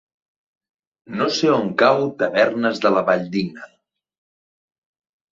No sé on cau Tavernes de la Valldigna.